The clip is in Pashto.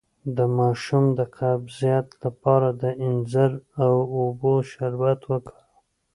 د ماشوم د قبضیت لپاره د انځر او اوبو شربت وکاروئ